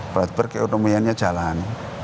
berat berat perekonomiannya jalan